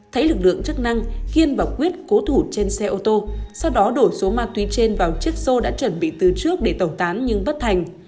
thấy lực lượng chức năng khiên và quyết cố thủ trên xe ô tô sau đó đổ số ma túy trên vào chiếc xô đã chuẩn bị từ trước để tẩu tán nhưng bất thành